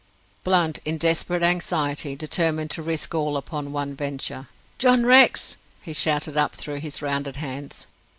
Blunt, in desperate anxiety, determined to risk all upon one venture. "John Rex!" he shouted up through his rounded hands.